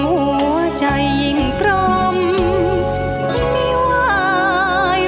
โปรดติดตามตอนต่อไป